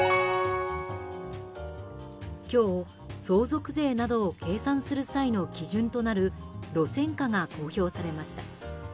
今日、相続税などを計算する際の基準となる路線価が公表されました。